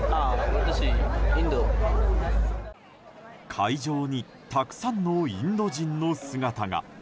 会場にたくさんのインド人の姿が。